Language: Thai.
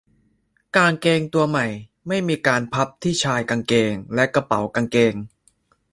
กางเกงตัวใหม่ไม่มีการพับที่ชายกางเกงและกระเป๋ากางเกง